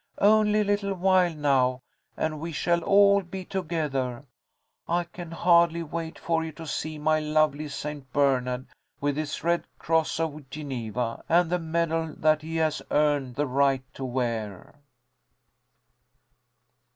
Only a little while now, and we shall all be together. I can hardly wait for you to see my lovely St. Bernard with his Red Cross of Geneva, and the medal that he has earned the right to wear."